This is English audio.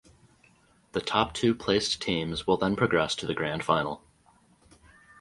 The top two placed teams will then progress to the Grand Final.